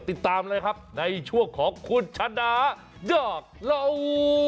ติดตามเลยครับในช่วงของคุณชนะดอกเหล่า